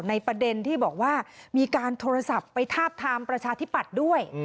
ประเด็นที่บอกว่ามีการโทรศัพท์ไปทาบทามประชาธิปัตย์ด้วย